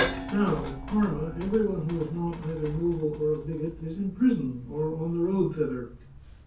Now, at Parma every one who is not either noble or a bigot is in prison, or on the road thither.